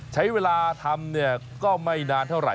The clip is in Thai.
ใช้เวลาทำเนี่ยก็ไม่นานเท่าไหร